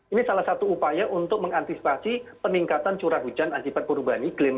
ini salah satu upaya untuk mengantisipasi peningkatan curah hujan akibat perubahan iklim